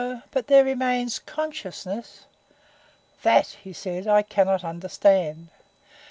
But there remains consciousness!" "That," he said, "I cannot understand.